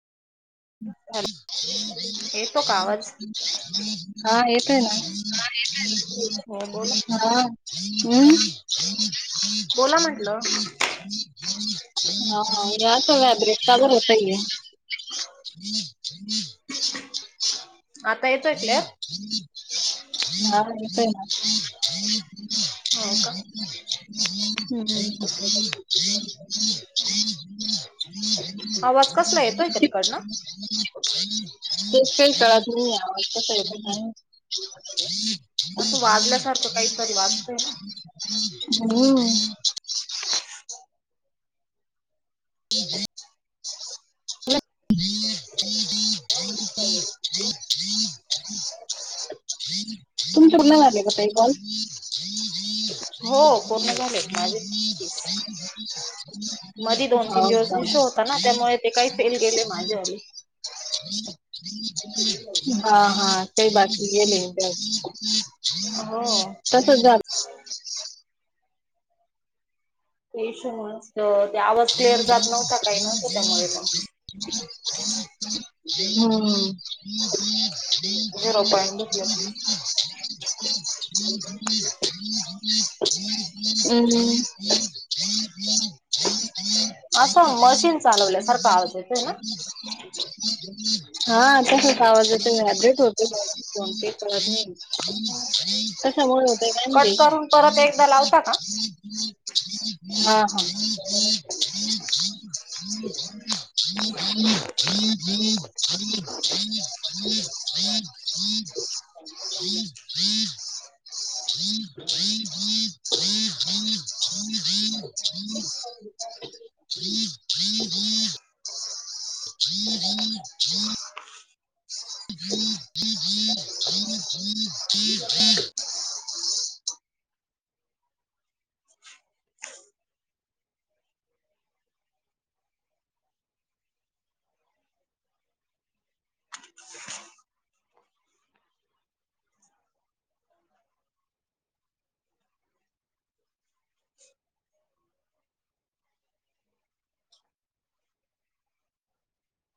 येतो का आवाज हा येतय ना हो बोला हा हं बोला म्हंटलं हा या अस वॅब्रेट का ब होताये हम् आता येतोय क्लिअर दाहा रुपयला ह हो का हम् ह आवाज तेच कसला येतोय का तिकडनं काही कळत नाही आहे आज तर असं वाजल्यासारखं पैसे काहीतरी वाजतय ना नायत ह ह ह तुमच पूर्ण झाले का का हो पूर्ण झालेत माझे तीस मधी दोन तीन दिवस इशू सावधान होता ना त्यामुळे ते काही फेल गेले माझ्यावरी हा हा ते गेले ना त्यात हो तसच झालं ते इशो मुळच ते आवाज क्लिअर च जात नव्हता काही नव्हतं त्यामुळे झिरो थी‌ थी झीरो हम्म हम्मम् हम् असं मशीन चालवल्या सारखं आवाज येतोय ना आहे ना? हा तसाचं आवाज येतोय ना व्हायब्रेट होतोय फोन काही कळत नाहीए. कशामुळे होतय का कट माहित? मशिन चा आवाज येतोय हा हा ब. हम् वब्रेट